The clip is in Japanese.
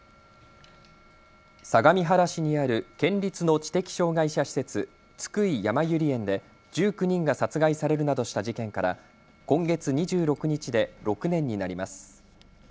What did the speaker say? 相模原市にある県立の知的障害者施設、津久井やまゆり園で１９人が殺害されるなどした事件から今月２６日で６年になります。